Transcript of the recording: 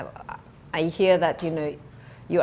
pasien ibu anda untuk juri